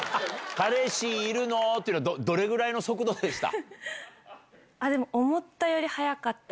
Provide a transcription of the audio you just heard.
「彼氏いるの？」っていうのはどれぐらいの速度でした？